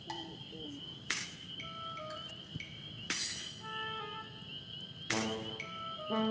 aku juga nggak tau